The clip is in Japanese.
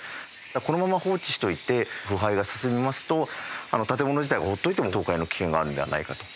このまま放置しておいて腐敗が進みますと建物自体が放っておいても倒壊の危険があるのではないかと。